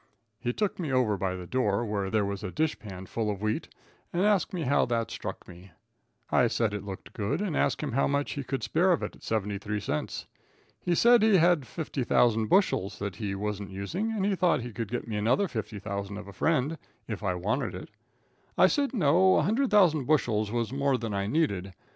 He took me over by the door where there was a dishpan full of wheat, and asked me how that struck me, I said it looked good and asked him how much he could spare of it at .73. He said he had 50,000 bushels that he wasn't using, and he thought he could get me another 50,000 of a friend, if I wanted it. I said no, 100,000 bushels was more than I needed.